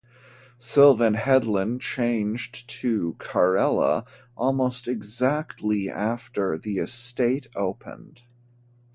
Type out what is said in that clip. Sylvan Headland changed to Kareela almost exactly after the estate opened.